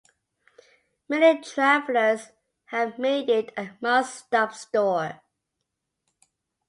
Many travelers have made it a must-stop store.